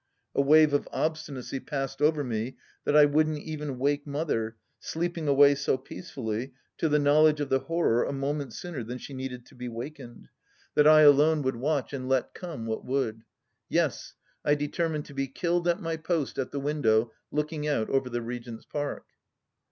A wave of obstinacy passed over me that I wouldn't even wake Mother, sleeping away so peacefully, to the knowledge of the horror a moment sooner than she needed to be wakened, that I alone would THE LAST DITCH 185 watch and let come what would. Yes, I determined to be killed at my post at the window looking out over the Regent's Park